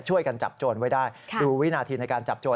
ช่วยกันจับโจรไว้ได้ดูวินาทีในการจับโจร